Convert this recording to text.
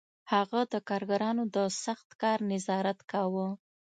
هغه د کارګرانو د سخت کار نظارت کاوه